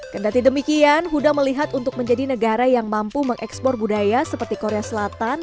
kendati demikian huda melihat untuk menjadi negara yang mampu mengekspor budaya seperti korea selatan